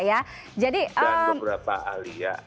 dan beberapa alih